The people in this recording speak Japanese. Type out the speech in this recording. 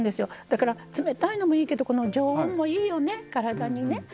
だから、冷たいのもいいけど常温もいいよね、体にね。